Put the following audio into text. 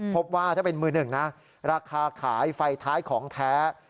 พบว่าถ้าเป็นมือหนึ่งนะราคาขายไฟท้ายของแท้